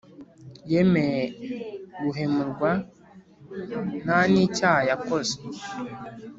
Yemeye guhemurwa ntanicyaha yakoze